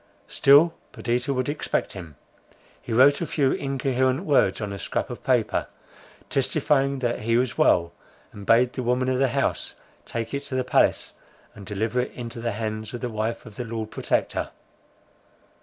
Still Perdita would expect him; he wrote a few incoherent words on a scrap of paper, testifying that he was well, and bade the woman of the house take it to the palace, and deliver it into the hands of the wife of the Lord Protector.